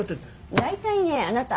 大体ねあなた